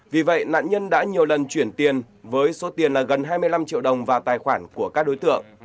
vì vậy nạn nhân đã nhiều lần chuyển tiền với số tiền là gần hai mươi năm triệu đồng vào tài khoản của các đối tượng